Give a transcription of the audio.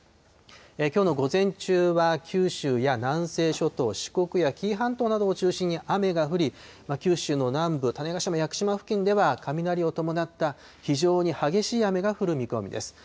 きょうの午前中は、九州や南西諸島、四国や紀伊半島などを中心に雨が降り、九州の南部、種子島・屋久島付近では、雷を伴った非常に激しい雨が降る見込みです。